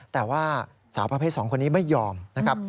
แต่ว่าสาวประเภท๒คนนี้ไม่ยอมนะครับ